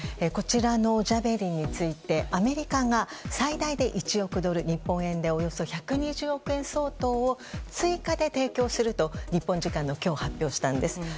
こちらのジャベリンについてアメリカが最大で１億ドル日本円でおよそ１２０億円相当を追加で提供すると日本時間の今日、発表したんです。